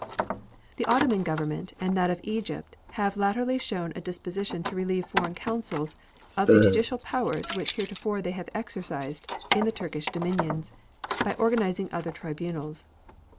The Ottoman Government and that of Egypt have latterly shown a disposition to relieve foreign consuls of the judicial powers which heretofore they have exercised in the Turkish dominions, by organizing other tribunals.